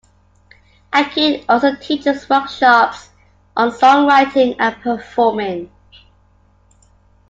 Aiken also teaches workshops on songwriting and performing.